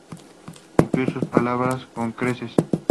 Cumplió su palabra con creces.